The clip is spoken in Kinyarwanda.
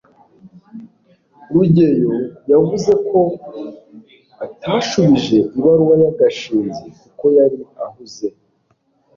rugeyo yavuze ko atashubije ibaruwa ya gashinzi, kuko yari ahuze